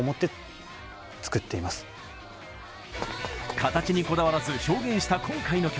形にこだわらず表現した今回の曲。